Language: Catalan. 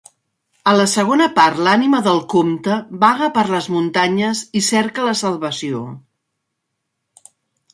A la segona part l'ànima del comte vaga per les muntanyes i cerca la salvació.